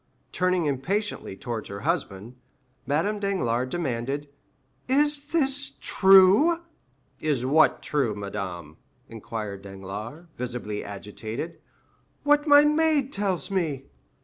Turning impatiently towards her husband, Madame Danglars demanded, "Is this true?" "Is what true, madame?" inquired Danglars, visibly agitated. "What my maid tells me."